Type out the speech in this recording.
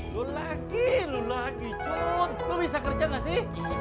lo lagi lo lagi acun lo bisa kerja gak sih